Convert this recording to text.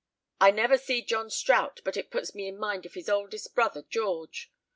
"I never see John Strout but it puts me in mind of his oldest brother, George.